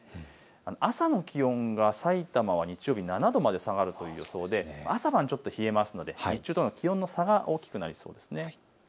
朝の気温がさいたまは７度まで下がる予想で朝晩冷えますので日中との気温の差が大きくなりそうです。